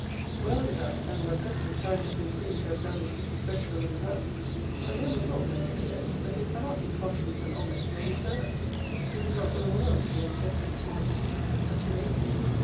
Well did I, and but just in time to conclude to have done with Mrs. Fretchville and the house: for here Mennell has declared, that he cannot in conscience and honour go any farther. He would not for the world be accessory to the deceiving of such a lady!